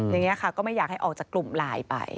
อย่างนี้ค่ะก็ไม่อยากให้ออกจากกลุ่มไลน์ไป